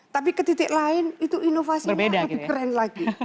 tapi ke titik lain itu inovasinya lebih keren lagi